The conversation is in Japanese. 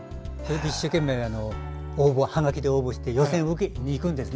一生懸命はがきで応募して予選を受けに行くんです。